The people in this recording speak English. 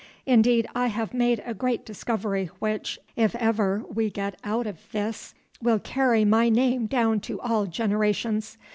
Indeed, I have made a great discovery which, if ever we get out of this, will carry my name down to all generations.